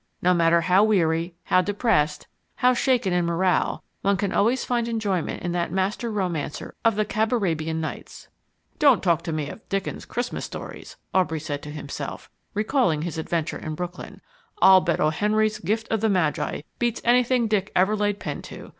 No matter how weary, how depressed, how shaken in morale, one can always find enjoyment in that master romancer of the Cabarabian Nights. "Don't talk to me of Dickens' Christmas Stories," Aubrey said to himself, recalling his adventure in Brooklyn. "I'll bet O. Henry's Gift of the Magi beats anything Dick ever laid pen to.